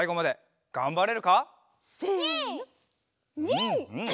うんうん！